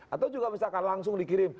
atau juga misalkan langsung dikirim